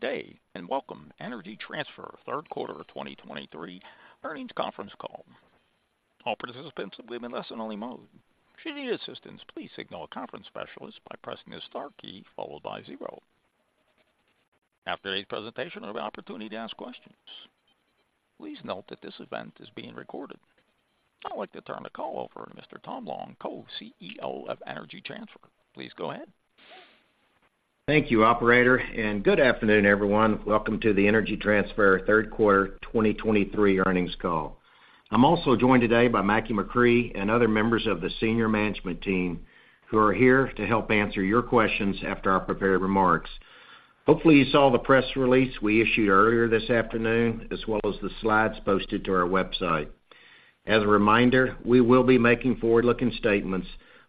Good day, and welcome. Energy Transfer Third Quarter of 2023 Earnings Conference Call. All participants will be in listen-only mode. Should you need assistance, please signal a conference specialist by pressing the star key, followed by zero. After today's presentation, there will be an opportunity to ask questions. Please note that this event is being recorded. I'd like to turn the call over to Mr. Tom Long, Co-CEO of Energy Transfer. Please go ahead. Thank you, operator, and good afternoon, everyone. Welcome to the Energy Transfer third quarter 2023 earnings call. I'm also joined today by Mackie McCrea and other members of the senior management team, who are here to help answer your questions after our prepared remarks. Hopefully, you saw the press release we issued earlier this afternoon, as well as the slides posted to our website. As a reminder, we will be making forward-looking statements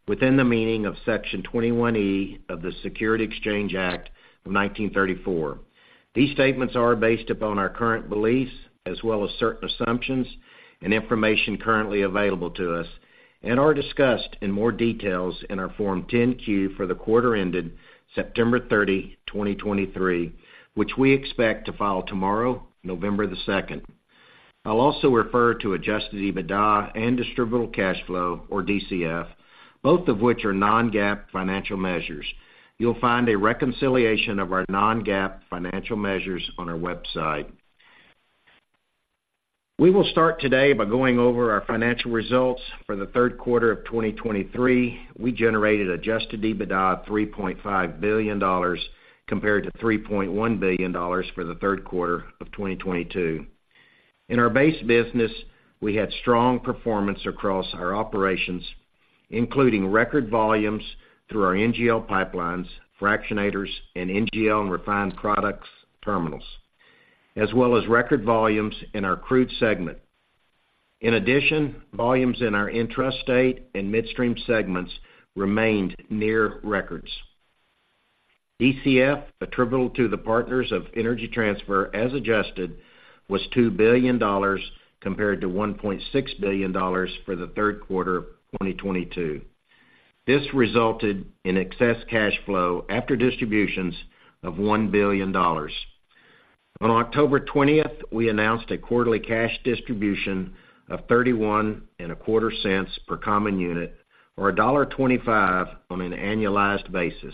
within the meaning of Section 21E of the Securities Exchange Act of 1934. These statements are based upon our current beliefs, as well as certain assumptions and information currently available to us, and are discussed in more details in our Form 10-Q for the quarter ended September 30, 2023, which we expect to file tomorrow, November 2. I'll also refer to Adjusted EBITDA and Distributable Cash Flow, or DCF, both of which are non-GAAP financial measures. You'll find a reconciliation of our non-GAAP financial measures on our website. We will start today by going over our financial results for the third quarter of 2023. We generated Adjusted EBITDA of $3.5 billion, compared to $3.1 billion for the third quarter of 2022. In our base business, we had strong performance across our operations, including record volumes through our NGL pipelines, fractionators and NGL and Refined Products terminals, as well as record volumes in our crude segment. In addition, volumes in our Intrastate and Midstream segments remained near records. DCF, attributable to the partners of Energy Transfer, as adjusted, was $2 billion, compared to $1.6 billion for the third quarter of 2022. This resulted in excess cash flow after distributions of $1 billion. On October 20, we announced a quarterly cash distribution of $0.3125 per common unit, or $1.25 on an annualized basis.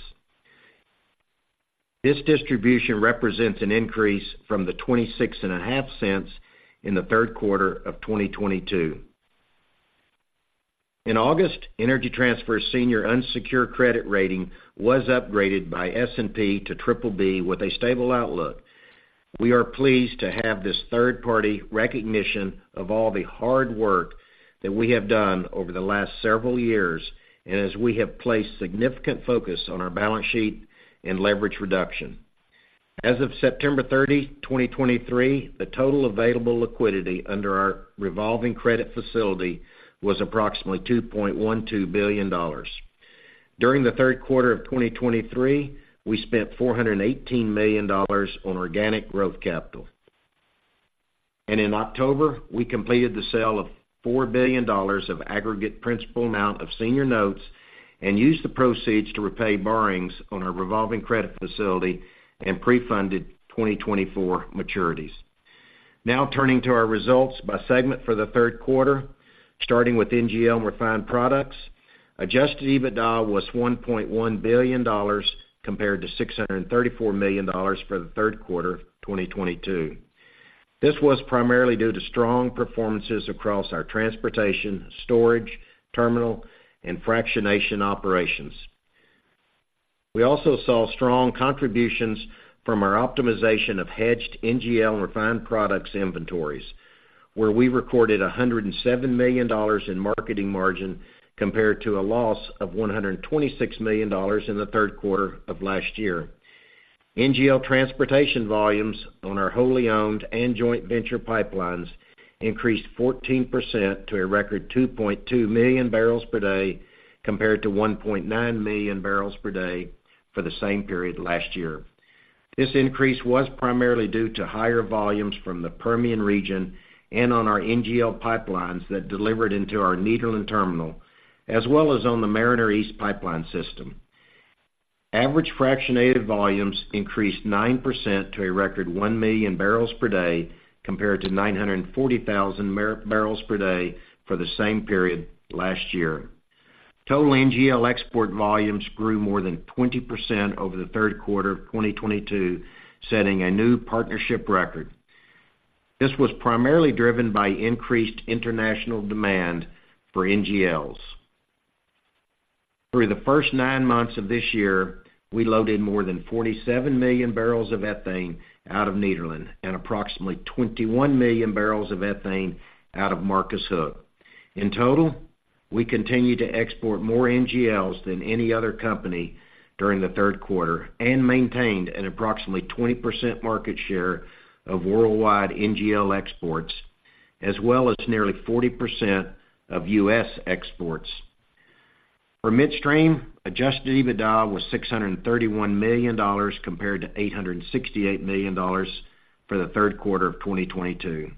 This distribution represents an increase from the $0.265 in the third quarter of 2022. In August, Energy Transfer's senior unsecured credit rating was upgraded by S&P to BBB with a stable outlook. We are pleased to have this third-party recognition of all the hard work that we have done over the last several years, and as we have placed significant focus on our balance sheet and leverage reduction. As of September 30, 2023, the total available liquidity under our revolving credit facility was approximately $2.12 billion. During the third quarter of 2023, we spent $418 million on organic growth capital. In October, we completed the sale of $4 billion of aggregate principal amount of senior notes and used the proceeds to repay borrowings on our revolving credit facility and pre-funded 2024 maturities. Now, turning to our results by segment for the third quarter, starting with NGL and Refined Products. Adjusted EBITDA was $1.1 billion, compared to $634 million for the third quarter of 2022. This was primarily due to strong performances across our transportation, storage, terminal, and fractionation operations. We also saw strong contributions from our optimization of hedged NGL Refined Products inventories, where we recorded $107 million in marketing margin, compared to a loss of $126 million in the third quarter of last year. NGL transportation volumes on our wholly owned and joint venture pipelines increased 14% to a record 2.2 million bbl per day, compared to 1.9 million bbl per day for the same period last year. This increase was primarily due to higher volumes from the Permian region and on our NGL pipelines that delivered into our Nederland terminal, as well as on the Mariner East pipeline system. Average fractionated volumes increased 9% to a record 1 million bbl per day, compared to 940,000 bbl per day for the same period last year. Total NGL export volumes grew more than 20% over the third quarter of 2022, setting a new partnership record. This was primarily driven by increased international demand for NGLs. Through the first nine months of this year, we loaded more than 47 million bbl of ethane out of Nederland and approximately 21 million bbl of ethane out of Marcus Hook. In total, we continued to export more NGLs than any other company during the third quarter and maintained an approximately 20% market share of worldwide NGL exports, as well as nearly 40% of U.S. exports. For Midstream, adjusted EBITDA was $631 million, compared to $868 million for the third quarter of 2022.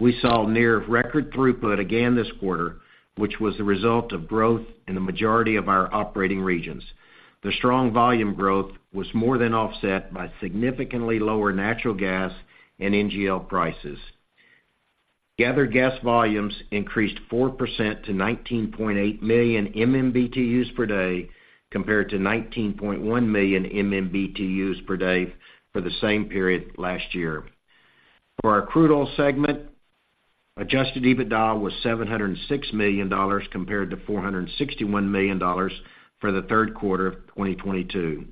We saw near-record throughput again this quarter, which was the result of growth in the majority of our operating regions. The strong volume growth was more than offset by significantly lower natural gas and NGL prices. Gathered gas volumes increased 4% to 19.8 million MMBtus per day, compared to 19.1 million MMBtus per day for the same period last year. For our Crude Oil segment, Adjusted EBITDA was $706 million, compared to $461 million for the third quarter of 2022.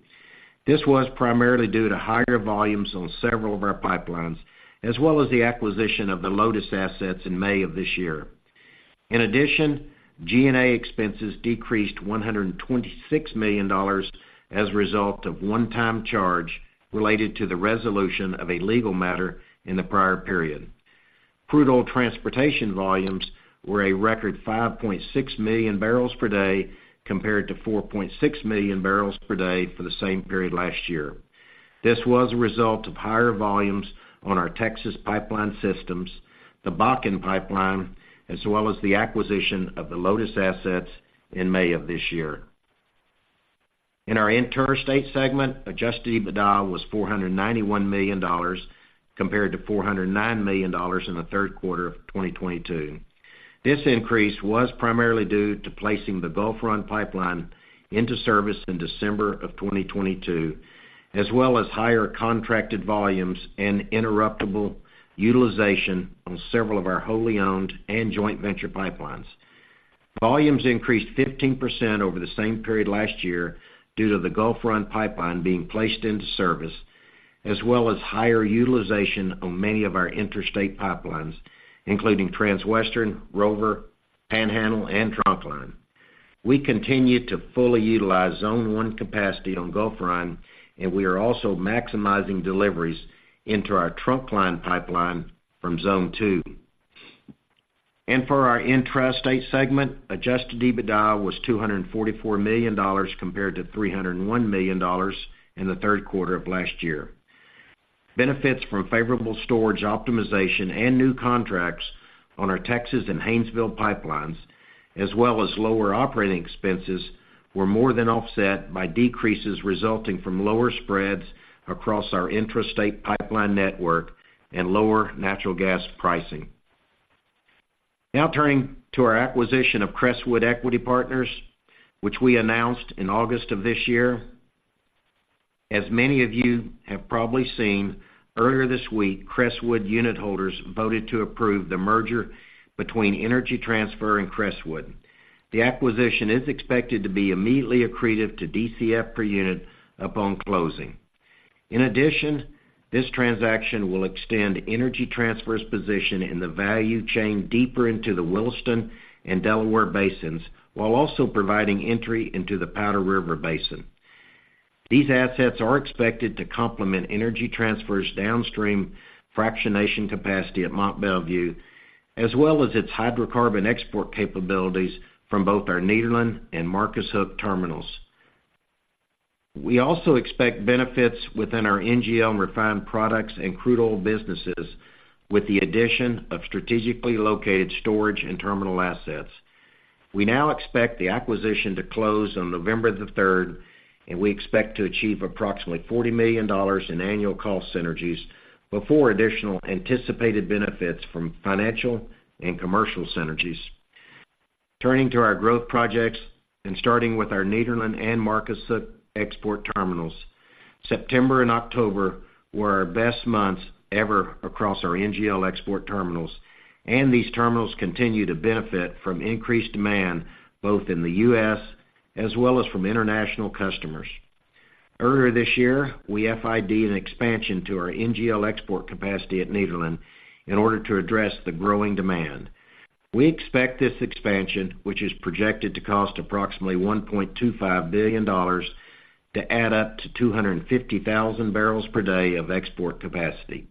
This was primarily due to higher volumes on several of our pipelines, as well as the acquisition of the Lotus assets in May of this year. In addition, G&A expenses decreased $126 million as a result of one-time charge related to the resolution of a legal matter in the prior period. Crude oil transportation volumes were a record 5.6 million bbl per day, compared to 4.6 million bbl per day for the same period last year. This was a result of higher volumes on our Texas pipeline systems, the Bakken Pipeline, as well as the acquisition of the Lotus assets in May of this year. In our Interstate segment, Adjusted EBITDA was $491 million, compared to $409 million in the third quarter of 2022. This increase was primarily due to placing the Gulf Run Pipeline into service in December of 2022, as well as higher contracted volumes and interruptible utilization on several of our wholly owned and joint venture pipelines. Volumes increased 15% over the same period last year due to the Gulf Run Pipeline being placed into service, as well as higher utilization on many of our Interstate pipelines, including Transwestern Pipeline, Rover Pipeline, Panhandle, and Trunkline Pipeline. We continue to fully utilize Zone One capacity on Gulf Run Pipeline, and we are also maximizing deliveries into our Trunkline Pipeline from Zone Two. For our intrastate segment, Adjusted EBITDA was $244 million, compared to $301 million in the third quarter of last year. Benefits from favorable storage optimization and new contracts on our Texas and Haynesville pipelines, as well as lower operating expenses, were more than offset by decreases resulting from lower spreads across our Intrastate pipeline network and lower natural gas pricing. Now turning to our acquisition of Crestwood Equity Partners, which we announced in August of this year. As many of you have probably seen, earlier this week, Crestwood unitholders voted to approve the merger between Energy Transfer and Crestwood. The acquisition is expected to be immediately accretive to DCF per unit upon closing. In addition, this transaction will extend Energy Transfer's position in the value chain deeper into the Williston and Delaware Basins, while also providing entry into the Powder River Basin. These assets are expected to complement Energy Transfer's downstream fractionation capacity at Mont Belvieu, as well as its hydrocarbon export capabilities from both our Nederland and Marcus Hook terminals. We also expect benefits within our NGL and Refined Products and Crude Oil businesses, with the addition of strategically located storage and terminal assets. We now expect the acquisition to close on November the 3rd, and we expect to achieve approximately $40 million in annual cost synergies before additional anticipated benefits from financial and commercial synergies. Turning to our growth projects, and starting with our Nederland and Marcus Hook export terminals. September and October were our best months ever across our NGL export terminals, and these terminals continue to benefit from increased demand, both in the U.S. as well as from international customers. Earlier this year, we FID-ed an expansion to our NGL export capacity at Nederland in order to address the growing demand. We expect this expansion, which is projected to cost approximately $1.25 billion, to add up to 250,000 bbl per day of export capacity.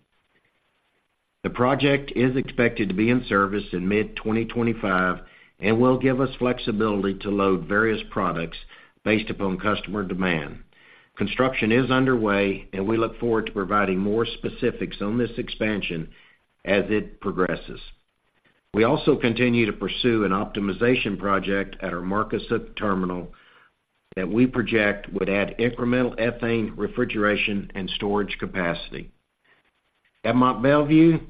The project is expected to be in service in mid-2025 and will give us flexibility to load various products based upon customer demand. Construction is underway, and we look forward to providing more specifics on this expansion as it progresses. We also continue to pursue an optimization project at our Marcus Hook Terminal that we project would add incremental ethane refrigeration and storage capacity. At Mont Belvieu,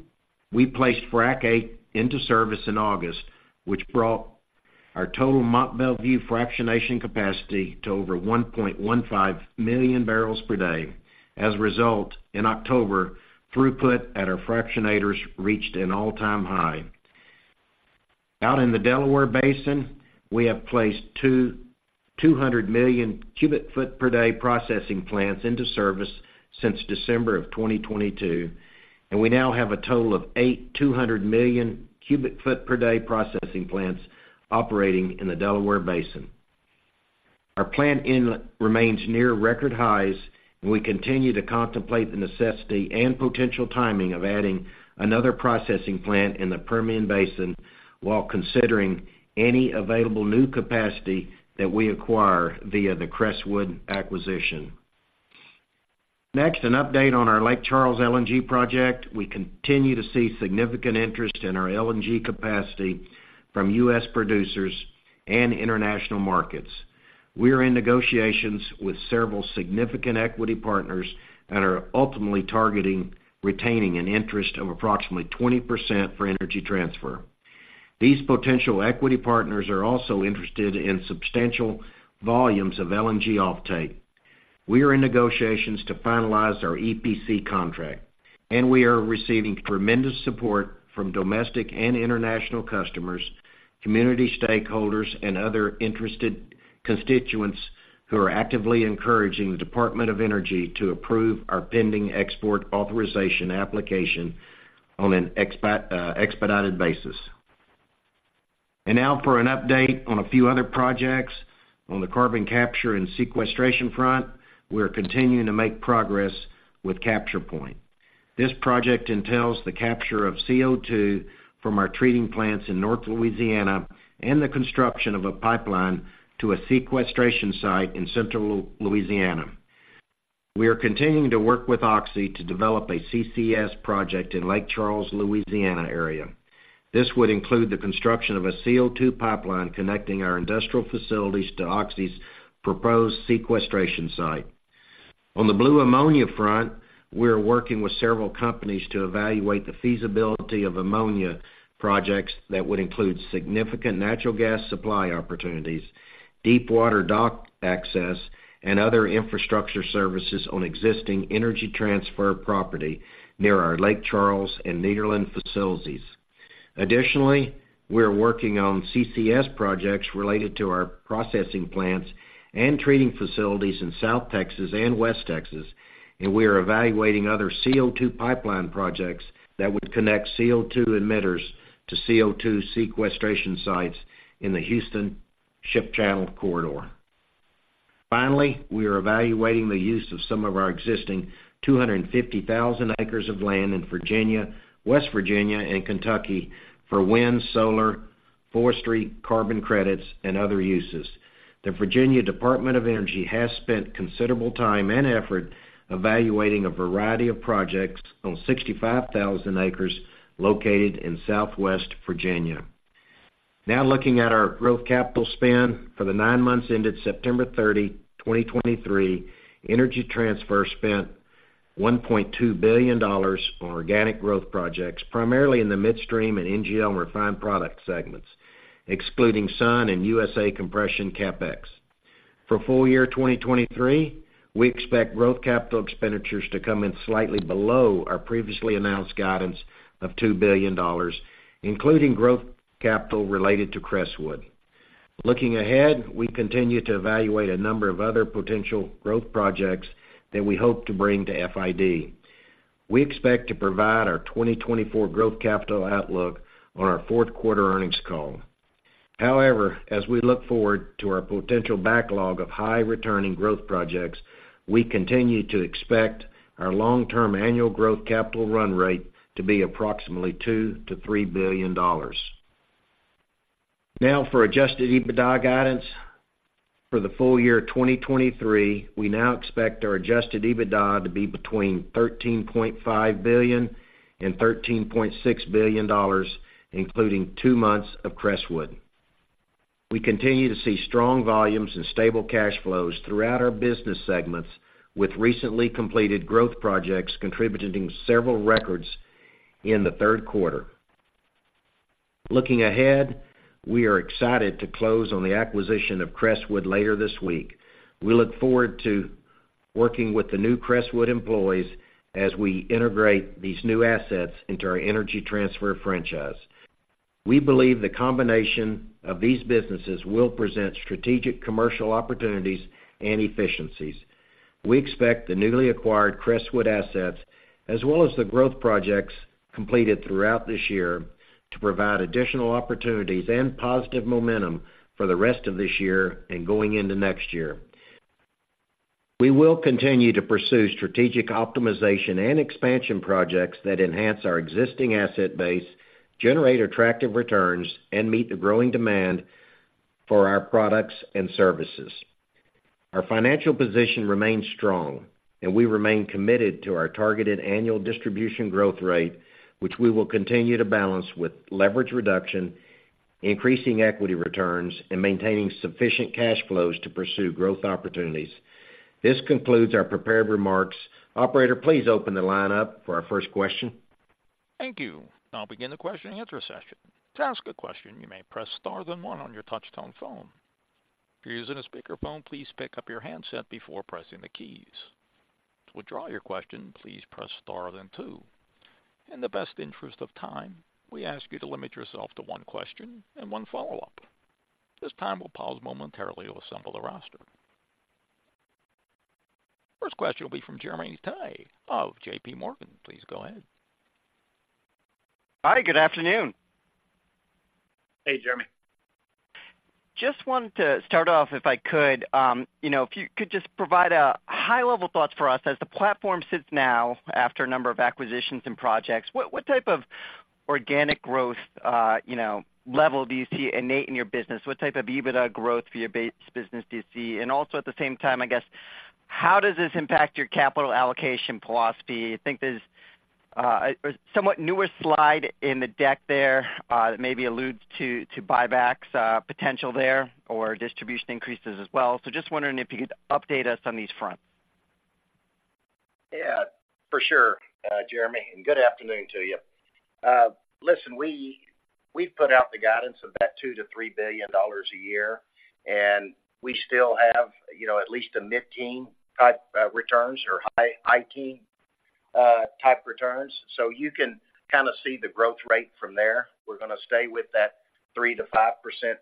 we placed Frac VIII into service in August, which brought our total Mont Belvieu fractionation capacity to over 1.15 million bbl per day. As a result, in October, throughput at our fractionators reached an all-time high. Out in the Delaware Basin, we have placed two 200 million cubic foot per day processing plants into service since December 2022, and we now have a total of eight 200 million cubic foot per day processing plants operating in the Delaware Basin. Our plant inlet remains near record highs, and we continue to contemplate the necessity and potential timing of adding another processing plant in the Permian Basin while considering any available new capacity that we acquire via the Crestwood acquisition. Next, an update on our Lake Charles LNG project. We continue to see significant interest in our LNG capacity from U.S. producers and international markets. We are in negotiations with several significant equity partners that are ultimately targeting retaining an interest of approximately 20% for Energy Transfer. These potential equity partners are also interested in substantial volumes of LNG offtake. We are in negotiations to finalize our EPC contract, and we are receiving tremendous support from domestic and international customers, community stakeholders, and other interested constituents who are actively encouraging the Department of Energy to approve our pending export authorization application on an expedited basis. Now for an update on a few other projects. On the carbon capture and sequestration front, we are continuing to make progress with CapturePoint. This project entails the capture of CO2 from our treating plants in North Louisiana and the construction of a pipeline to a sequestration site in central Louisiana. We are continuing to work with Oxy to develop a CCS project in Lake Charles, Louisiana, area. This would include the construction of a CO2 pipeline connecting our industrial facilities to Oxy's proposed sequestration site. On the blue ammonia front, we are working with several companies to evaluate the feasibility of ammonia projects that would include significant natural gas supply opportunities, deepwater dock access, and other infrastructure services on existing Energy Transfer property near our Lake Charles and Nederland facilities. Additionally, we are working on CCS projects related to our processing plants and treating facilities in South Texas and West Texas, and we are evaluating other CO2 pipeline projects that would connect CO2 emitters to CO2 sequestration sites in the Houston Ship Channel corridor. Finally, we are evaluating the use of some of our existing 250,000 acres of land in Virginia, West Virginia, and Kentucky for wind, solar, forestry, carbon credits, and other uses. The Virginia Department of Energy has spent considerable time and effort evaluating a variety of projects on 65,000 acres located in Southwest Virginia. Now looking at our growth capital spend. For the nine months ended September 30, 2023, Energy Transfer spent $1.2 billion on organic growth projects, primarily in the Midstream and NGL Refined Product segments, excluding SUN and USA Compression CapEx. For full year 2023, we expect growth capital expenditures to come in slightly below our previously announced guidance of $2 billion, including growth capital related to Crestwood. Looking ahead, we continue to evaluate a number of other potential growth projects that we hope to bring to FID. We expect to provide our 2024 growth capital outlook on our fourth quarter earnings call. However, as we look forward to our potential backlog of high-returning growth projects, we continue to expect our long-term annual growth capital run rate to be approximately $2 billion-$3 billion. Now for adjusted EBITDA guidance. For the full year of 2023, we now expect our Adjusted EBITDA to be between $13.5 billion and $13.6 billion, including two months of Crestwood. We continue to see strong volumes and stable cash flows throughout our business segments, with recently completed growth projects contributing several records in the third quarter. Looking ahead, we are excited to close on the acquisition of Crestwood later this week. We look forward to working with the new Crestwood employees as we integrate these new assets into our Energy Transfer franchise. We believe the combination of these businesses will present strategic commercial opportunities and efficiencies. We expect the newly acquired Crestwood assets, as well as the growth projects completed throughout this year, to provide additional opportunities and positive momentum for the rest of this year and going into next year. We will continue to pursue strategic optimization and expansion projects that enhance our existing asset base, generate attractive returns, and meet the growing demand for our products and services. Our financial position remains strong, and we remain committed to our targeted annual distribution growth rate, which we will continue to balance with leverage reduction, increasing equity returns, and maintaining sufficient cash flows to pursue growth opportunities. This concludes our prepared remarks. Operator, please open the line up for our first question. Thank you. I'll begin the question and answer session. To ask a question, you may press star then one on your touchtone phone. If you're using a speakerphone, please pick up your handset before pressing the keys. To withdraw your question, please press star then two. In the best interest of time, we ask you to limit yourself to one question and one follow up. This time, we'll pause momentarily to assemble the roster. First question will be from Jeremy Tonet of JPMorgan. Please go ahead. Hi, good afternoon. Hey, Jeremy. Just wanted to start off, if I could, you know, if you could just provide a high-level thoughts for us. As the platform sits now after a number of acquisitions and projects, what type of organic growth, you know, level do you see innate in your business? What type of EBITDA growth for your base business do you see? And also, at the same time, I guess, how does this impact your capital allocation philosophy? I think there's a somewhat newer slide in the deck there that maybe alludes to buybacks potential there or distribution increases as well. So just wondering if you could update us on these fronts. Yeah, for sure, Jeremy, and good afternoon to you. Listen, we, we've put out the guidance of that $2-$3 billion a year, and we still have, you know, at least a mid-teen type returns or high-teen type returns. So you can kind of see the growth rate from there. We're going to stay with that 3%-5%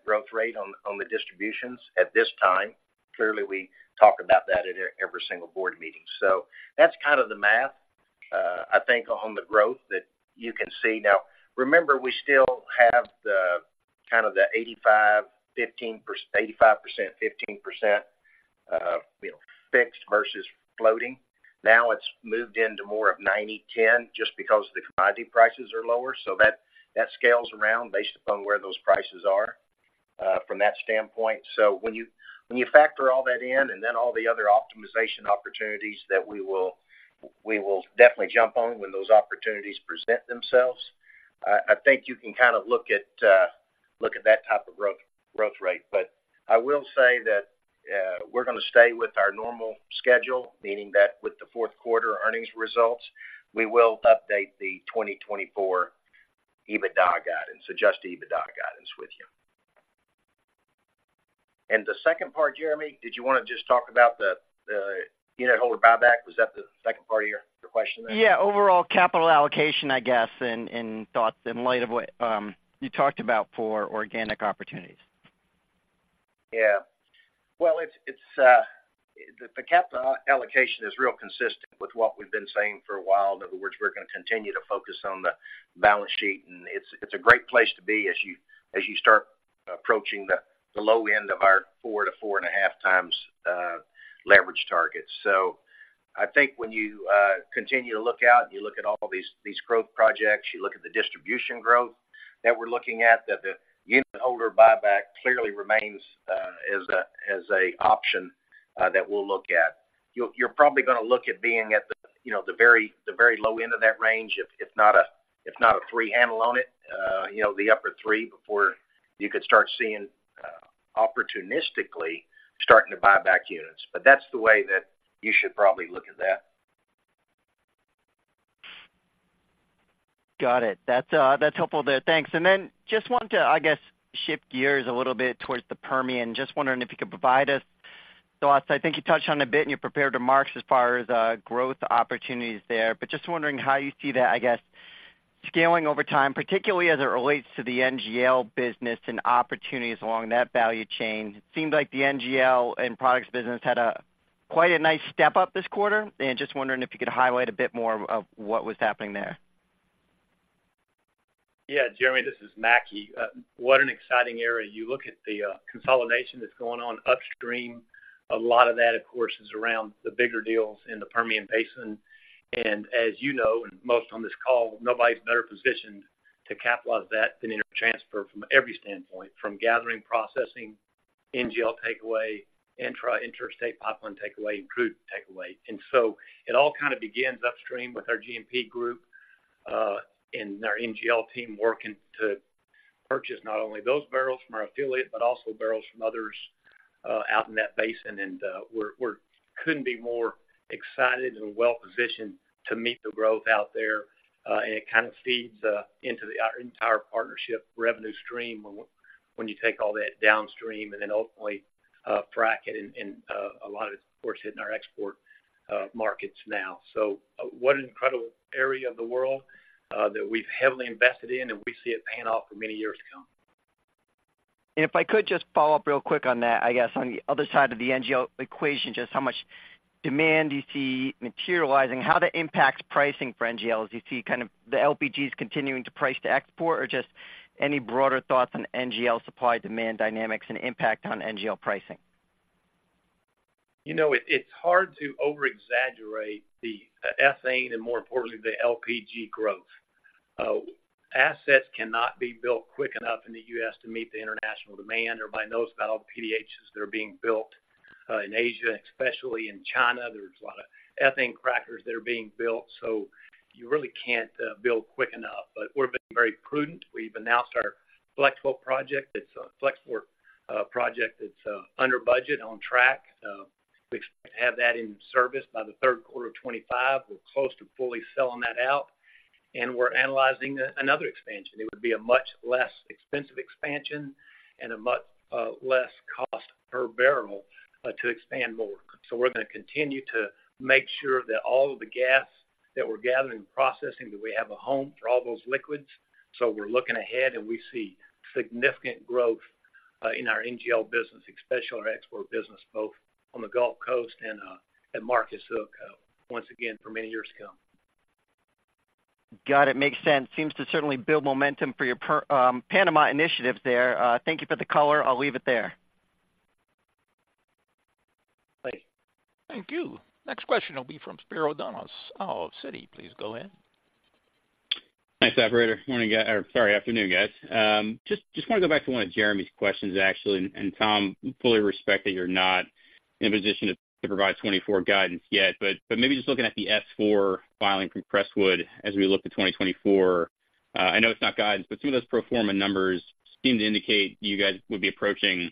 growth rate on the distributions at this time. Clearly, we talk about that at every single board meeting. So that's kind of the math, I think, on the growth that you can see. Now, remember, we still have the kind of the 85%, 15%, you know, fixed versus floating. Now, it's moved into more of 90/10 just because the commodity prices are lower, so that, that scales around based upon where those prices are, from that standpoint. So when you, when you factor all that in, and then all the other optimization opportunities that we will, we will definitely jump on when those opportunities present themselves, I, I think you can kind of look at, look at that type of growth, growth rate. But I will say that, we're going to stay with our normal schedule, meaning that with the fourth quarter earnings results, we will update the 2024 EBITDA guidance, adjusted EBITDA guidance with you. And the second part, Jeremy, did you want to just talk about the, the unitholder buyback? Was that the second part of your question there? Yeah, overall capital allocation, I guess, and thoughts in light of what you talked about for organic opportunities. Yeah. Well, it's the capital allocation is real consistent with what we've been saying for a while. In other words, we're going to continue to focus on the balance sheet, and it's a great place to be as you start approaching the low end of our 4x-4.5x leverage target. So I think when you continue to look out, you look at all these growth projects, you look at the distribution growth that we're looking at, that the unitholder buyback clearly remains as a option that we'll look at. You're probably going to look at being at the, you know, the very low end of that range, if not a three handle on it, you know, the upper three before you could start seeing opportunistically starting to buy back units. But that's the way that you should probably look at that. Got it. That's, that's helpful there. Thanks. And then just want to, I guess, shift gears a little bit towards the Permian. Just wondering if you could provide us thoughts. I think you touched on it a bit in your prepared remarks as far as, growth opportunities there, but just wondering how you see that, I guess, scaling over time, particularly as it relates to the NGL business and opportunities along that value chain. Seemed like the NGL and products business had quite a nice step-up this quarter, and just wondering if you could highlight a bit more of what was happening there. Yeah, Jeremy, this is Mackie. What an exciting area! You look at the consolidation that's going on upstream. A lot of that, of course, is around the bigger deals in the Permian Basin. And as you know, and most on this call, nobody's better positioned to capitalize that than Energy Transfer from every standpoint, from gathering, processing, NGL takeaway, intra-intrastate pipeline takeaway, and crude takeaway. And so it all kind of begins upstream with our G&P group, and our NGL team working to purchase not only those bbl from our affiliate, but also bbl from others out in that basin. And we couldn't be more excited and well-positioned to meet the growth out there. And it kind of feeds into our entire partnership revenue stream when you take all that downstream and then ultimately frac it and a lot of it, of course, hitting our export markets now. So what an incredible area of the world that we've heavily invested in, and we see it paying off for many years to come. If I could just follow up real quick on that, I guess on the other side of the NGL equation, just how much demand do you see materializing? How that impacts pricing for NGLs? Do you see kind of the LPGs continuing to price to export, or just any broader thoughts on NGL supply-demand dynamics and impact on NGL pricing? You know, it's hard to overexaggerate the ethane and, more importantly, the LPG growth. Assets cannot be built quick enough in the US to meet the international demand, or by those about PDHs that are being built in Asia, especially in China. There's a lot of ethane crackers that are being built, so you really can't build quick enough. But we're being very prudent. We've announced our Flex Export project. It's a Flex Export project that's under budget, on track. We expect to have that in service by the third quarter of 2025. We're close to fully selling that out, and we're analyzing another expansion. It would be a much less expensive expansion and a much less cost per barrel to expand more. We're going to continue to make sure that all of the gas that we're gathering and processing, that we have a home for all those liquids. We're looking ahead, and we see significant growth in our NGL business, especially our export business, both on the Gulf Coast and at Marcus Hook, once again, for many years to come. Got it. Makes sense. Seems to certainly build momentum for your Permian initiatives there. Thank you for the color. I'll leave it there.... Thank you. Next question will be from Spiro Dounis of Citi. Please go ahead. Thanks, operator. Morning, guys—or sorry, afternoon, guys. Just, just want to go back to one of Jeremy's questions, actually. And Tom, fully respect that you're not in a position to provide 2024 guidance yet, but, but maybe just looking at the S4 filing from Crestwood as we look to 2024, I know it's not guidance, but some of those pro forma numbers seem to indicate you guys would be approaching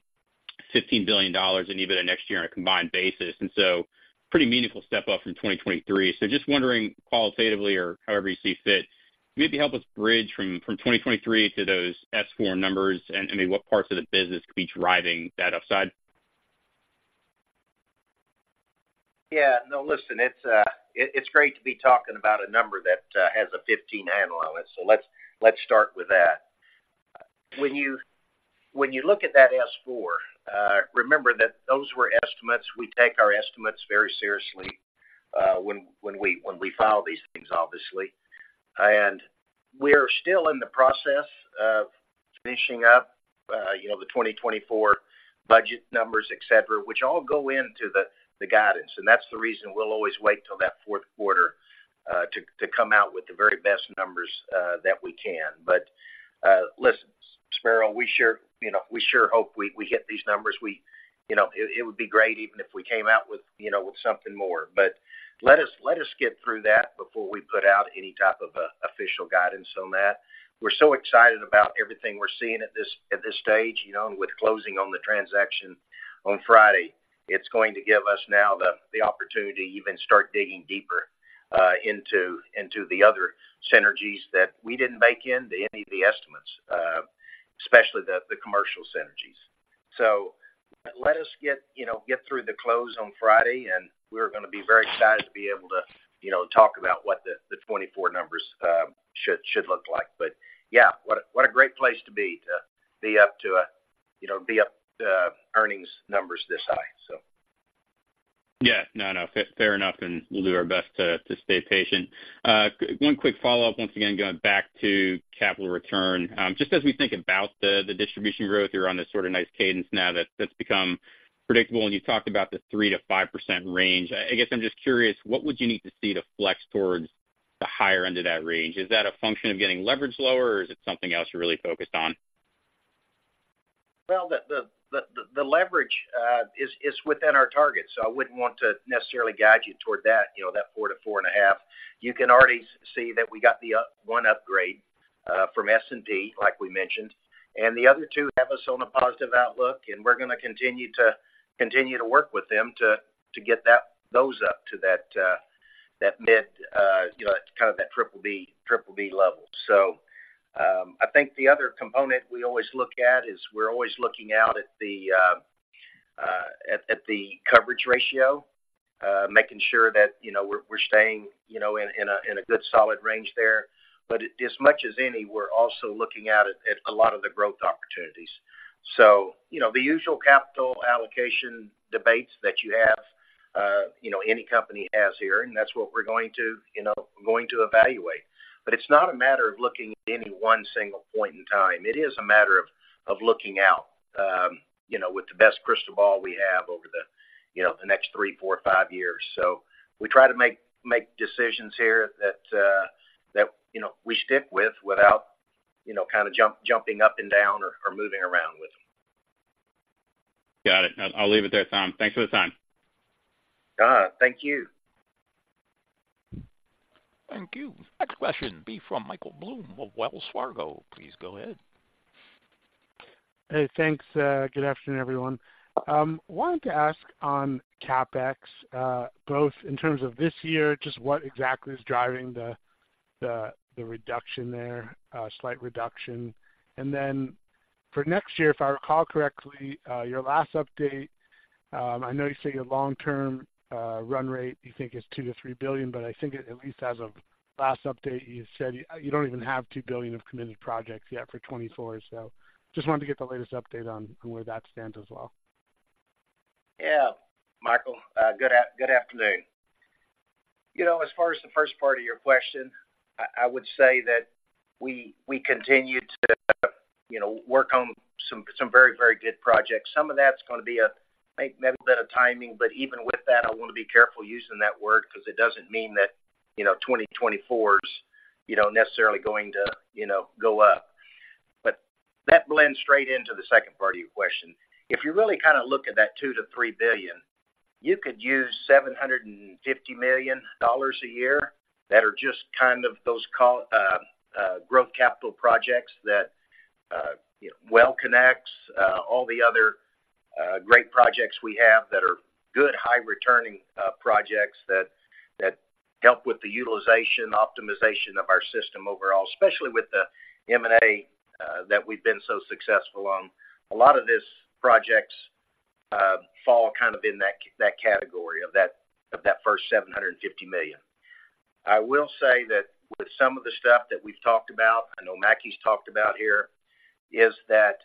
$15 billion in EBITDA next year on a combined basis, and so pretty meaningful step up from 2023. So just wondering qualitatively or however you see fit, maybe help us bridge from 2023 to those S4 numbers, and, I mean, what parts of the business could be driving that upside? Yeah. No, listen, it's great to be talking about a number that has a 15 handle on it. So let's start with that. When you look at that S4, remember that those were estimates. We take our estimates very seriously when we file these things, obviously. And we're still in the process of finishing up, you know, the 2024 budget numbers, et cetera, which all go into the guidance. And that's the reason we'll always wait till that fourth quarter to come out with the very best numbers that we can. But listen, Spiro, we sure hope we hit these numbers. We. You know, it would be great even if we came out with something more. But let us, let us get through that before we put out any type of, official guidance on that. We're so excited about everything we're seeing at this, at this stage, you know, and with closing on the transaction on Friday. It's going to give us now the, the opportunity to even start digging deeper, into, into the other synergies that we didn't bake into any of the estimates, especially the, the commercial synergies. So let us get, you know, get through the close on Friday, and we're gonna be very excited to be able to, you know, talk about what the, the 2024 numbers, should, should look like. But yeah, what a, what a great place to be, to be up to a, you know, be up, earnings numbers this high, so. Yeah. No, no, fair enough, and we'll do our best to, to stay patient. One quick follow-up, once again, going back to capital return. Just as we think about the, the distribution growth, you're on this sort of nice cadence now that's, that's become predictable, and you talked about the 3%-5% range. I, I guess I'm just curious, what would you need to see to flex towards the higher end of that range? Is that a function of getting leverage lower, or is it something else you're really focused on? Well, the leverage is within our target, so I wouldn't want to necessarily guide you toward that, you know, that 4x-4.5x. You can already see that we got the one upgrade from S&P, like we mentioned, and the other two have us on a positive outlook, and we're gonna continue to work with them to get those up to that mid, you know, kind of that triple B level. So, I think the other component we always look at is we're always looking out at the coverage ratio, making sure that, you know, we're staying, you know, in a good, solid range there. But as much as any, we're also looking out at a lot of the growth opportunities. So, you know, the usual capital allocation debates that you have, you know, any company has here, and that's what we're going to, you know, evaluate. But it's not a matter of looking at any one single point in time. It is a matter of looking out, you know, with the best crystal ball we have over the, you know, the next three, four, five years. So we try to make decisions here that, you know, we stick with without, you know, kind of jumping up and down or moving around with them. Got it. I'll leave it there, Tom. Thanks for the time. Thank you. Thank you. Next question will be from Michael Blum of Wells Fargo. Please go ahead. Hey, thanks. Good afternoon, everyone. Wanted to ask on CapEx, both in terms of this year, just what exactly is driving the reduction there, slight reduction? And then for next year, if I recall correctly, your last update, I know you say your long-term run rate, you think is $2 billion-$3 billion, but I think at least as of last update, you said you don't even have $2 billion of committed projects yet for 2024. So just wanted to get the latest update on where that stands as well. Yeah. Michael, good afternoon. You know, as far as the first part of your question, I would say that we continue to, you know, work on some very good projects. Some of that's gonna be maybe a little bit of timing, but even with that, I want to be careful using that word because it doesn't mean that, you know, 2024 is, you know, necessarily going to, you know, go up. But that blends straight into the second part of your question. If you really kind of look at that $2-$3 billion, you could use $750 million a year that are just kind of those growth capital projects that connects all the other great projects we have that are good, high-returning projects that help with the utilization, optimization of our system overall, especially with the M&A that we've been so successful on. A lot of these projects fall kind of in that category of that first $750 million. I will say that with some of the stuff that we've talked about, I know Mackie's talked about here, is that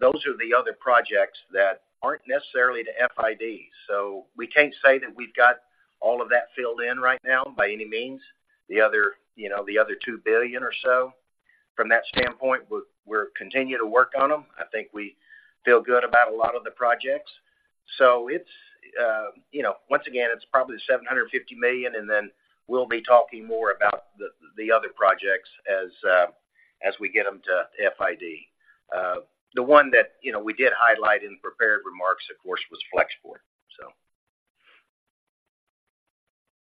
those are the other projects that aren't necessarily the FIDs. So we can't say that we've got all of that filled in right now by any means, the other, you know, the other $2 billion or so. ...From that standpoint, we're continuing to work on them. I think we feel good about a lot of the projects. So it's, you know, once again, it's probably $750 million, and then we'll be talking more about the other projects as we get them to FID. The one that, you know, we did highlight in prepared remarks, of course, was Flex Export, so.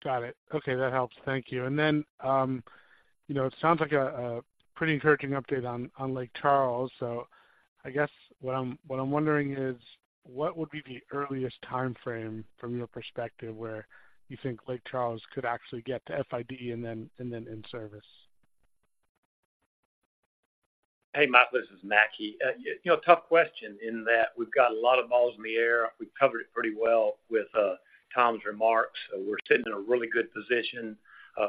Got it. Okay, that helps. Thank you. And then, you know, it sounds like a pretty encouraging update on Lake Charles. So I guess what I'm wondering is, what would be the earliest timeframe from your perspective, where you think Lake Charles could actually get to FID and then in service? Hey, Michael, this is Mackie. You know, tough question in that we've got a lot of balls in the air. We've covered it pretty well with Tom's remarks. So we're sitting in a really good position.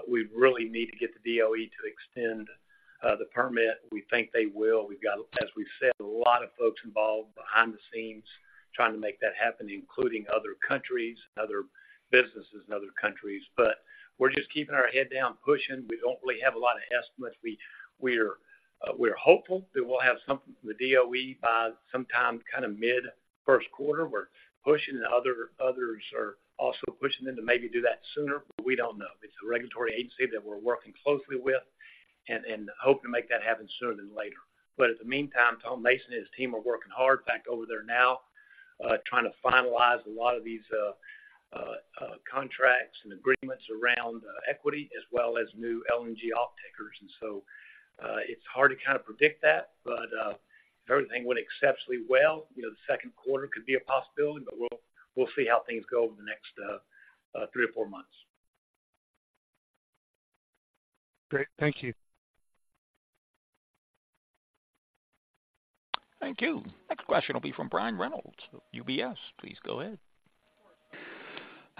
We really need to get the DOE to extend the permit. We think they will. We've got, as we've said, a lot of folks involved behind the scenes trying to make that happen, including other countries, other businesses in other countries. But we're just keeping our head down, pushing. We don't really have a lot of estimates. We're hopeful that we'll have something from the DOE by sometime mid first quarter. We're pushing, and others are also pushing them to maybe do that sooner, but we don't know. It's a regulatory agency that we're working closely with and hope to make that happen sooner than later. But in the meantime, Tom Mason and his team are working hard back over there now, trying to finalize a lot of these contracts and agreements around equity, as well as new LNG offtakers. And so, it's hard to predict that, but if everything went exceptionally well, you know, the second quarter could be a possibility, but we'll see how things go over the next three or four months. Great. Thank you. Thank you. Next question will be from Brian Reynolds, UBS. Please go ahead.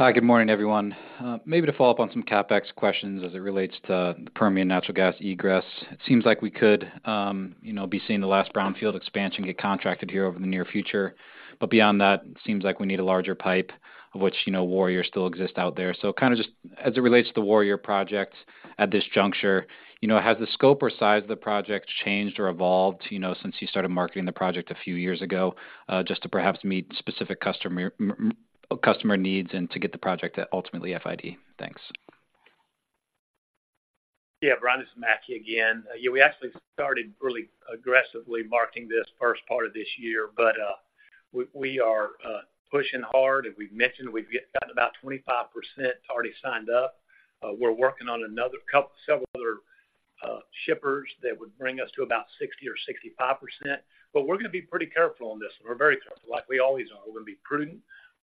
Hi, good morning, everyone. Maybe to follow up on some CapEx questions as it relates to the Permian natural gas egress. It seems like we could, you know, be seeing the last brownfield expansion get contracted here over the near future. But beyond that, it seems like we need a larger pipe, of which, you know, Warrior still exists out there. So just as it relates to the Warrior project at this juncture, you know, has the scope or size of the project changed or evolved, you know, since you started marketing the project a few years ago, just to perhaps meet specific customer, customer needs and to get the project to ultimately FID? Thanks. Yeah, Brian, this is Mackie again. Yeah, we actually started really aggressively marketing this first part of this year, but we are pushing hard. As we've mentioned, we've got about 25% already signed up. We're working on another couple several other shippers that would bring us to about 60 or 65%. But we're going to be pretty careful on this, and we're very careful, like we always are. We're going to be prudent.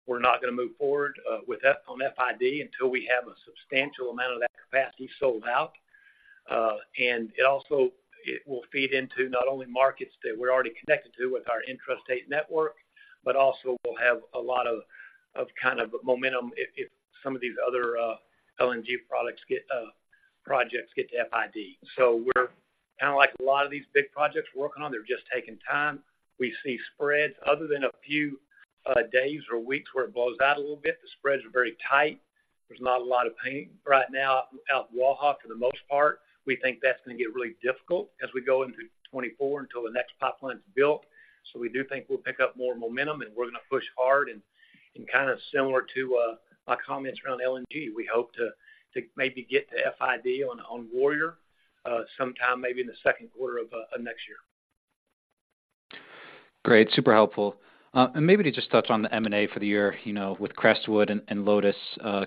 We're not going to move forward with FID until we have a substantial amount of that capacity sold out. And it also, it will feed into not only markets that we're already connected to with our Intrastate network, but also we'll have a lot of kind of momentum if some of these other LNG projects get to FID. So we're... Like a lot of these big projects we're working on, they're just taking time. We see spreads other than a few days or weeks where it blows out a little bit. The spreads are very tight. There's not a lot of pain right now out in Waha, for the most part. We think that's going to get really difficult as we go into 2024 until the next pipeline is built. So we do think we'll pick up more momentum, and we're going to push hard. And kind of similar to my comments around LNG, we hope to maybe get to FID on Warrior sometime maybe in the second quarter of next year. Great. Super helpful. And maybe to just touch on the M&A for the year, you know, with Crestwood and Lotus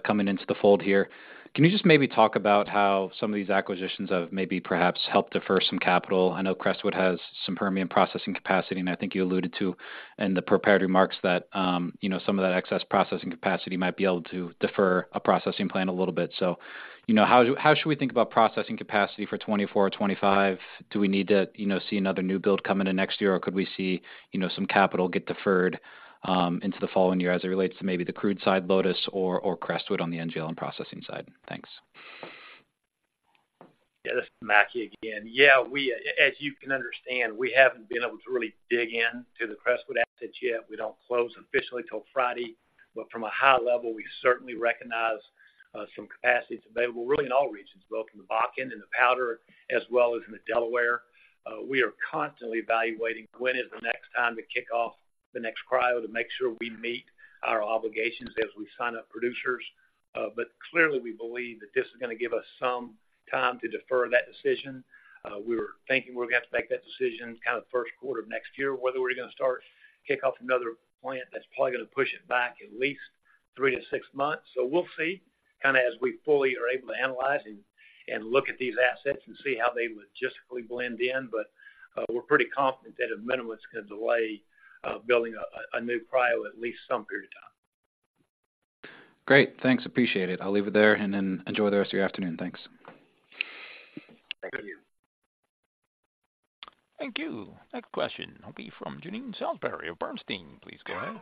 coming into the fold here. Can you just maybe talk about how some of these acquisitions have maybe perhaps helped defer some capital? I know Crestwood has some Permian processing capacity, and I think you alluded to in the prepared remarks that, you know, some of that excess processing capacity might be able to defer a processing plan a little bit. So, you know, how should we think about processing capacity for 2024 or 2025? Do we need to, you know, see another new build coming in next year, or could we see, you know, some capital get deferred into the following year as it relates to maybe the crude side, Lotus or Crestwood on the NGL and processing side? Thanks. Yeah, this is Mackie again. Yeah, we, as you can understand, we haven't been able to really dig into the Crestwood assets yet. We don't close officially till Friday, but from a high level, we certainly recognize some capacity is available really in all regions, both in the Bakken and the Powder, as well as in the Delaware. We are constantly evaluating when is the next time to kick off the next cryo to make sure we meet our obligations as we sign up producers. But clearly, we believe that this is going to give us some time to defer that decision. We were thinking we're going to have to make that decision kind of first quarter of next year, whether we're going to start kick off another plant, that's probably going to push it back at least 3-6 months. So we'll see, kind of as we fully are able to analyze and look at these assets and see how they logistically blend in. But, we're pretty confident that at minimum, it's going to delay building a new cryo at least some period of time. Great. Thanks, appreciate it. I'll leave it there and then enjoy the rest of your afternoon. Thanks. Thank you. Thank you. Next question will be from Jean Ann Salisbury of Bernstein. Please go ahead.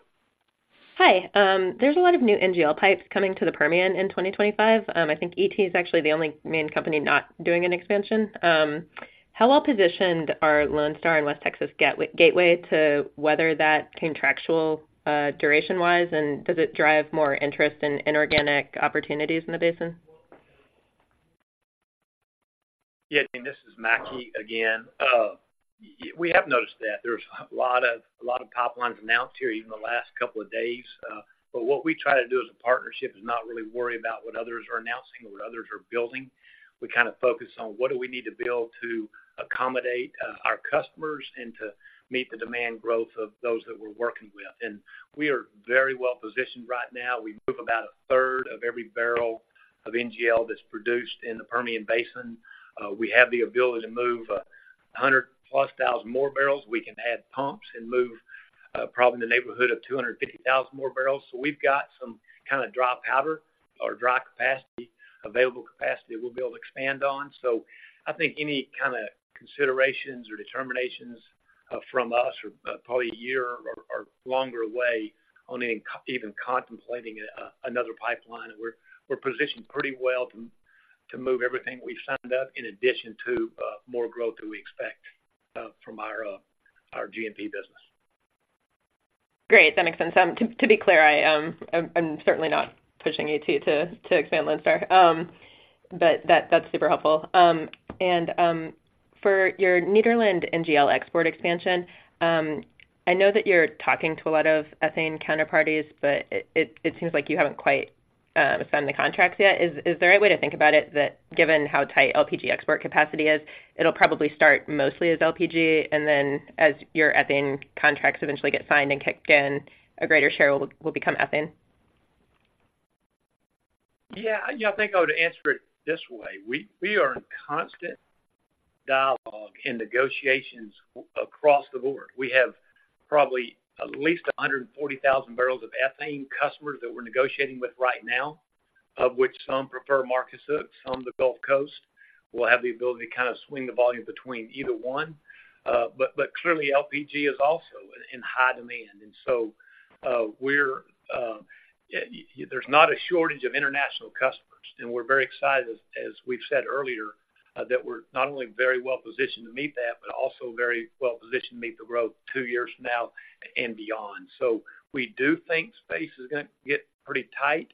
Hi. There's a lot of new NGL pipes coming to the Permian in 2025. I think ET is actually the only main company not doing an expansion. How well-positioned are Lone Star and West Texas Gateway to weather that contractual, duration-wise, and does it drive more interest in inorganic opportunities in the basin?... Yeah, Jean, this is Mackie again. We have noticed that there's a lot of, a lot of pipelines announced here, even the last couple of days. But what we try to do as a partnership is not really worry about what others are announcing or what others are building. We kind of focus on what do we need to build to accommodate our customers and to meet the demand growth of those that we're working with. And we are very well positioned right now. We move about a third of every barrel of NGL that's produced in the Permian Basin. We have the ability to move a hundred plus thousand more bbl. We can add pumps and move probably in the neighborhood of 250,000 more bbl. So we've got some kind of dry powder or dry capacity, available capacity we'll be able to expand on. So I think any kind of considerations or determinations from us are probably a year or longer away on even contemplating another pipeline. We're positioned pretty well to move everything we've signed up, in addition to more growth that we expect from our G&P business. Great, that makes sense. To be clear, I'm certainly not pushing you to expand Lone Star. But that's super helpful. And for your Nederland NGL export expansion, I know that you're talking to a lot of ethane counterparties, but it seems like you haven't quite signed the contracts yet. Is the right way to think about it that given how tight LPG export capacity is, it'll probably start mostly as LPG, and then as your ethane contracts eventually get signed and kicked in, a greater share will become ethane? Yeah. Yeah, I think I would answer it this way. We, we are in constant dialogue in negotiations across the board. We have probably at least 140,000 bbl of ethane customers that we're negotiating with right now, of which some prefer Marcus Hook, some the Gulf Coast. We'll have the ability to kind of swing the volume between either one. But clearly, LPG is also in high demand. And so, we're, yeah, there's not a shortage of international customers, and we're very excited, as, as we've said earlier, that we're not only very well positioned to meet that, but also very well positioned to meet the growth two years from now and beyond. So we do think space is gonna get pretty tight.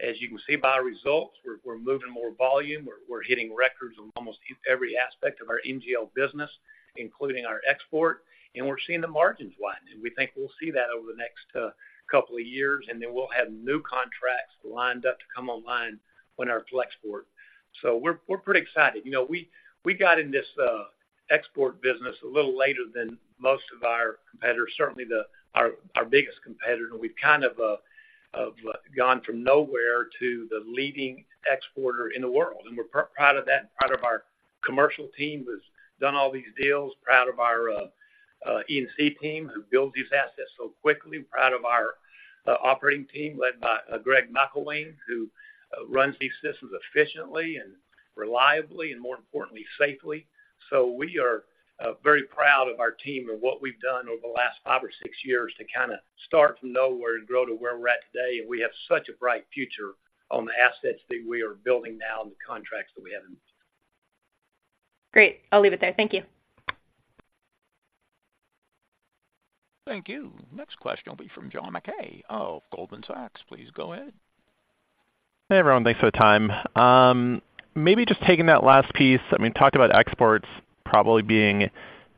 As you can see by our results, we're moving more volume, we're hitting records in almost every aspect of our NGL business, including our export, and we're seeing the margins widen. And we think we'll see that over the next couple of years, and then we'll have new contracts lined up to come online on our Flex Export. So we're pretty excited. You know, we got in this export business a little later than most of our competitors, certainly our biggest competitor, and we've kind of gone from nowhere to the leading exporter in the world. And we're proud of that, and proud of our commercial team who's done all these deals, proud of our E&C team who built these assets so quickly, proud of our operating team, led by Greg McIlwain, who runs these systems efficiently and reliably, and more importantly, safely. So we are very proud of our team and what we've done over the last five or six years to kind of start from nowhere and grow to where we're at today. And we have such a bright future on the assets that we are building now and the contracts that we have. Great. I'll leave it there. Thank you. Thank you. Next question will be from John Mackay of Goldman Sachs. Please go ahead. Hey, everyone. Thanks for the time. Maybe just taking that last piece, I mean, talked about exports probably being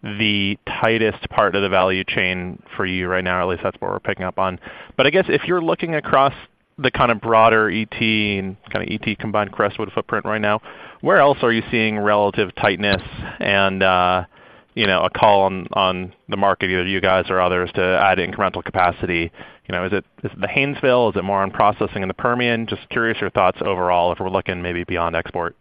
the tightest part of the value chain for you right now, at least that's what we're picking up on. But I guess if you're looking across the kind of broader ET and kind of ET combined Crestwood footprint right now, where else are you seeing relative tightness and, you know, a call on, on the market, either you guys or others, to add incremental capacity? You know, is it, is it the Haynesville? Is it more on processing in the Permian? Just curious your thoughts overall, if we're looking maybe beyond export.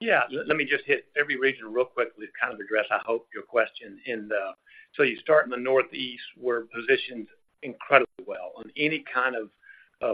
Yeah. Let me just hit every region real quickly to kind of address, I hope, your question. In the, so you start in the Northeast, we're positioned incredibly well. On any kind of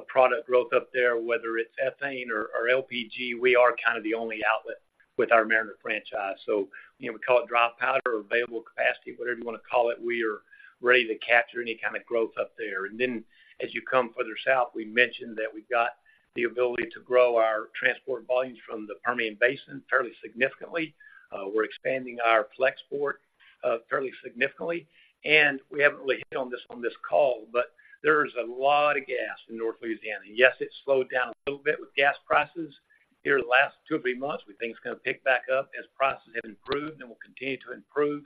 product growth up there, whether it's ethane or LPG, we are kind of the only outlet with our Mariner franchise. So, you know, we call it dry powder or available capacity, whatever you want to call it, we are ready to capture any kind of growth up there. And then as you come further south, we mentioned that we've got the ability to grow our transport volumes from the Permian Basin fairly significantly. We're expanding our Flex Export fairly significantly, and we haven't really hit on this on this call, but there is a lot of gas in North Louisiana. Yes, it's slowed down a little bit with gas prices here the last two or three months. We think it's gonna pick back up as prices have improved and will continue to improve.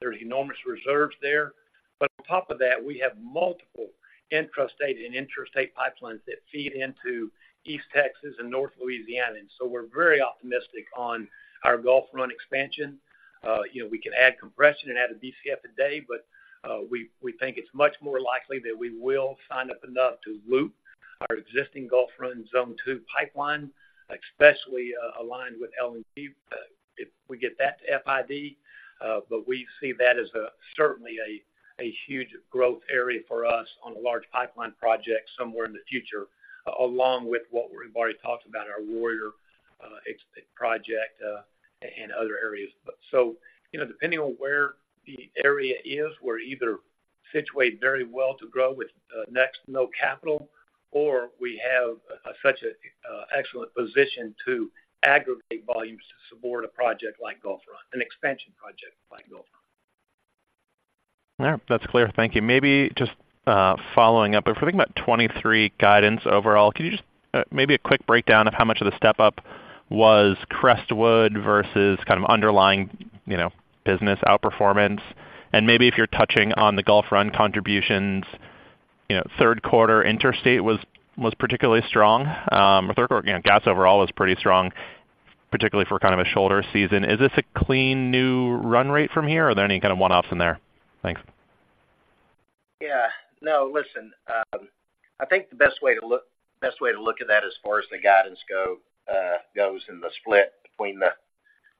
There's enormous reserves there. But on top of that, we have multiple Intrastate and Interstate pipelines that feed into East Texas and North Louisiana. And so we're very optimistic on our Gulf Run expansion. You know, we can add compression and add a BCF today, but we think it's much more likely that we will sign up enough to loop our existing Gulf Run Zone Two pipeline, especially aligned with LNG if we get that to FID. but we see that as certainly a huge growth area for us on a large pipeline project somewhere in the future, along with what we've already talked about, our Warrior project, and other areas. You know, depending on where the area is, we're either situated very well to grow with next to no capital, or we have such a excellent position to aggregate volumes to support a project like Gulf Run, an expansion project.... All right, that's clear. Thank you. Maybe just, following up, if we think about 2023 guidance overall, can you just, maybe a quick breakdown of how much of the step-up was Crestwood versus kind of underlying, you know, business outperformance? And maybe if you're touching on the Gulf Run contributions, you know, third quarter Interstate was particularly strong. Third quarter, you know, gas overall was pretty strong, particularly for kind of a shoulder season. Is this a clean new run rate from here, or are there any kind of one-offs in there? Thanks. Yeah. No, listen, I think the best way to look, best way to look at that as far as the guidance go, goes in the split between the,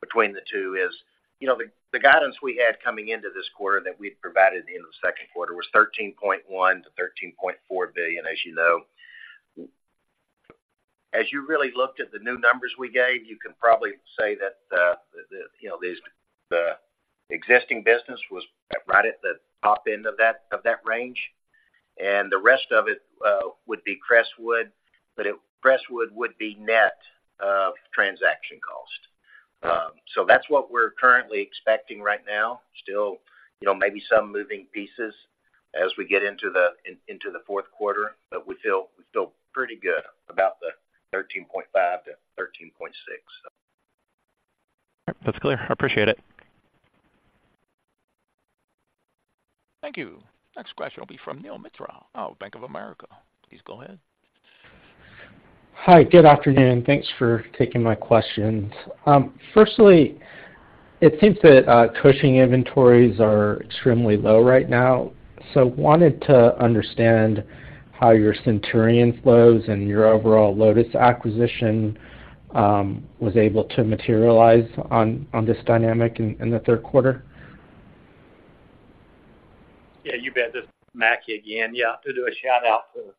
between the two is, you know, the guidance we had coming into this quarter that we'd provided in the second quarter was $13.1 billion-$13.4 billion, as you know. As you really looked at the new numbers we gave, you can probably say that the, the, you know, the existing business was right at the top end of that, of that range, and the rest of it would be Crestwood, but Crestwood would be net of transaction cost. So that's what we're currently expecting right now. Still, you know, maybe some moving pieces as we get into the fourth quarter, but we feel, we feel pretty good about the 13.5-13.6. All right. That's clear. I appreciate it. Thank you. Next question will be from Neel Mitra of Bank of America. Please go ahead. Hi. Good afternoon. Thanks for taking my questions. Firstly, it seems that Cushing inventories are extremely low right now. So wanted to understand how your Centurion flows and your overall Lotus acquisition was able to materialize on this dynamic in the third quarter. Yeah, you bet. This is Mackie again. Yeah, to do a shout-out to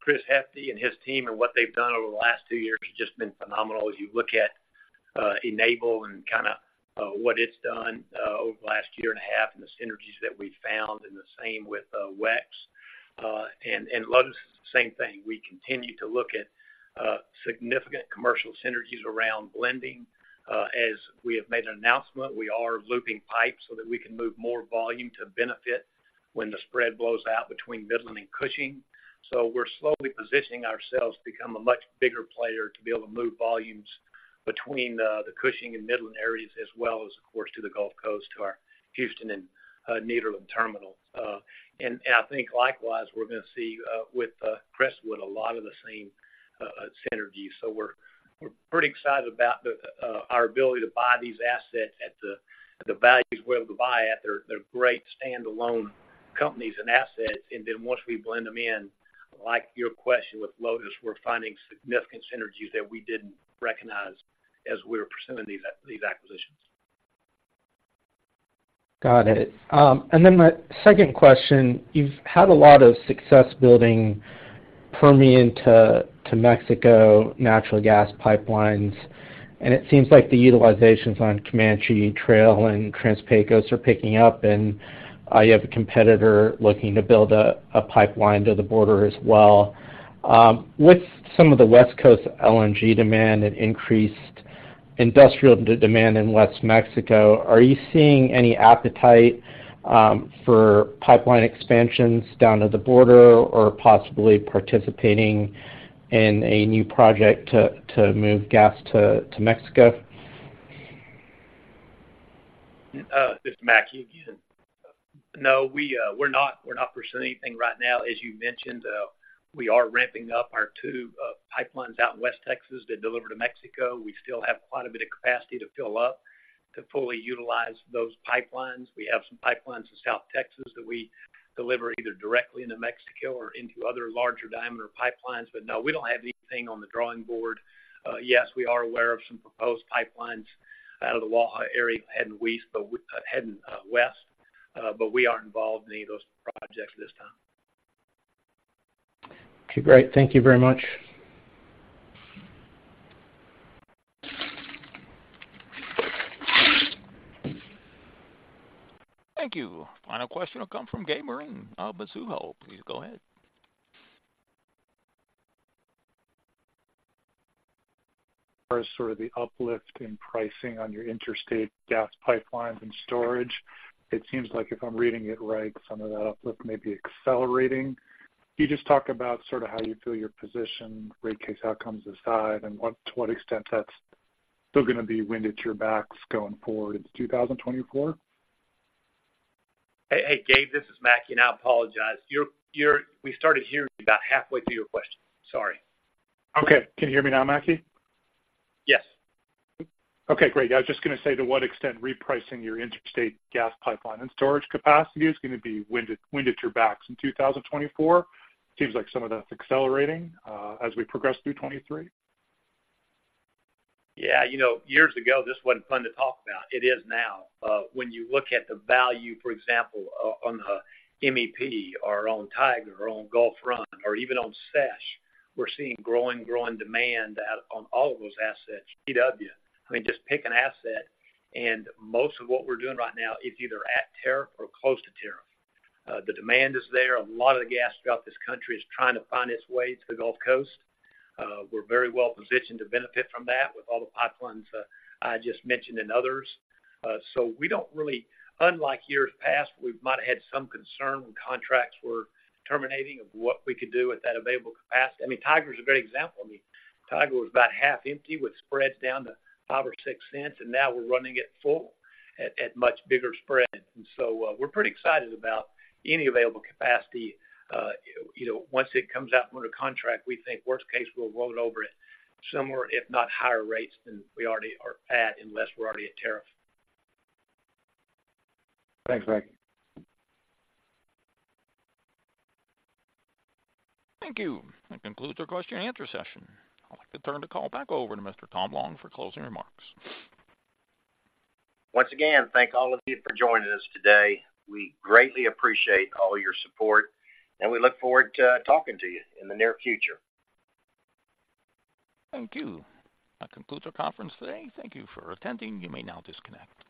Chris Hefty and his team, and what they've done over the last two years has just been phenomenal. As you look at Enable and kind of what it's done over the last year and a half, and the synergies that we've found, and the same with WEX. And Lotus, same thing. We continue to look at significant commercial synergies around blending. As we have made an announcement, we are looping pipes so that we can move more volume to benefit when the spread blows out between Midland and Cushing. So we're slowly positioning ourselves to become a much bigger player to be able to move volumes between the Cushing and Midland areas, as well as, of course, to the Gulf Coast, to our Houston and Nederland Terminal. And I think likewise, we're going to see with Crestwood a lot of the same synergies. So we're pretty excited about the our ability to buy these assets at the values we're able to buy at. They're great standalone companies and assets, and then once we blend them in, like your question with Lotus, we're finding significant synergies that we didn't recognize as we were pursuing these these acquisitions. Got it. And then my second question, you've had a lot of success building Permian to, to Mexico natural gas pipelines, and it seems like the utilizations on Comanche Trail and Trans-Pecos are picking up, and, you have a competitor looking to build a, a pipeline to the border as well. With some of the West Coast LNG demand and increased industrial demand in West Mexico, are you seeing any appetite, for pipeline expansions down to the border or possibly participating in a new project to, to move gas to, to Mexico? This is Mackie again. No, we, we're not. We're not pursuing anything right now. As you mentioned, we are ramping up our two pipelines out in West Texas that deliver to Mexico. We still have quite a bit of capacity to fill up to fully utilize those pipelines. We have some pipelines in South Texas that we deliver either directly into Mexico or into other larger diameter pipelines. But no, we don't have anything on the drawing board. Yes, we are aware of some proposed pipelines out of the Waha area heading west, but we aren't involved in any of those projects this time. Okay, great. Thank you very much. Thank you. Final question will come from Gabe Moreen of Mizuho. Please go ahead. As far as sort of the uplift in pricing on your Interstate gas pipelines and storage, it seems like if I'm reading it right, some of that uplift may be accelerating. Can you just talk about sort of how you feel you're positioned, rate case outcomes aside, and to what extent that's still going to be wind at your backs going forward into 2024? Hey, hey, Gabe, this is Mackie, and I apologize. You're, you're—we started hearing you about halfway through your question. Sorry. Okay. Can you hear me now, Mackie? Yes. Okay, great. I was just going to say, to what extent repricing your Interstate gas pipeline and storage capacity is going to be wind at your backs in 2024? It seems like some of that's accelerating as we progress through 2023. Yeah, you know, years ago, this wasn't fun to talk about. It is now. When you look at the value, for example, on MEP or on Tiger or on Gulf Run or even on SESH, we're seeing growing demand out on all of those assets. TW, I mean, just pick an asset, and most of what we're doing right now is either at tariff or close to tariff. The demand is there. A lot of the gas throughout this country is trying to find its way to the Gulf Coast. We're very well positioned to benefit from that with all the pipelines I just mentioned and others. So we don't really, unlike years past, we might have had some concern when contracts were terminating of what we could do with that available capacity. I mean, Tiger is a great example. I mean, Tiger was about half empty, with spreads down to 5 or 6 cents, and now we're running it full at much bigger spreads. And so, we're pretty excited about any available capacity. You know, once it comes out from under contract, we think worst case, we'll roll it over at similar, if not higher, rates than we already are at, unless we're already at tariff. Thanks, Mackie. Thank you. That concludes our question and answer session. I'd like to turn the call back over to Mr. Tom Long for closing remarks. Once again, thank all of you for joining us today. We greatly appreciate all your support, and we look forward to talking to you in the near future. Thank you. That concludes our conference today. Thank you for attending. You may now disconnect.